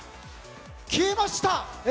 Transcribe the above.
消えました。